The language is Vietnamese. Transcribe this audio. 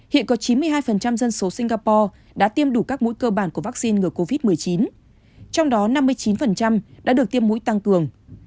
hiện có chín mươi hai dân số singapore đã tiêm đủ các mũi cơ bản của vaccine ngừa covid một mươi chín trong đó năm mươi chín đã được tiêm mũi tăng cường